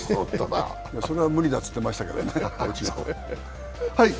それは無理だと言ってましたけどね。